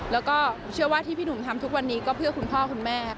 แล้วก็เชื่อว่าที่พี่หนุ่มทำทุกวันนี้ก็เพื่อคุณพ่อคุณแม่